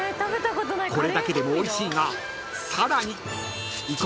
［これだけでもおいしいがさらに］